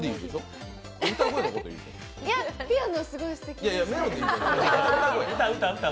ピアノすごいすてきでした。